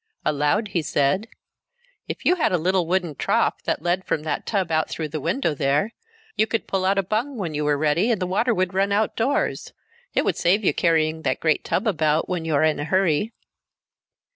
Aloud he said: "If you had a little wooden trough that led from that tub out through the window there, you could pull out a bung when you were ready and the water would run outdoors. It would save you carrying that great tub about, when you are in a hurry."